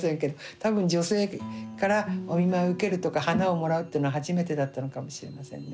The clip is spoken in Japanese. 多分女性からお見舞いを受けるとか花をもらうっていうのは初めてだったのかもしれませんね。